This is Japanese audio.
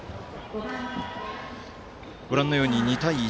ご覧のように２対１。